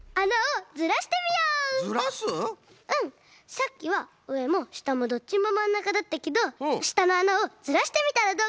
さっきはうえもしたもどっちもまんなかだったけどしたのあなをずらしてみたらどうかな？